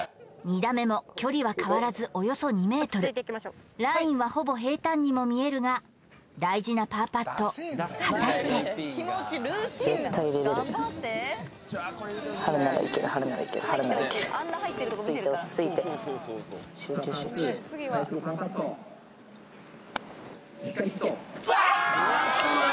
２打目も距離は変わらずおよそ２ｍラインはほぼ平たんにも見えるが大事なパーパット果たして集中集中返しのパーパットしっかりヒット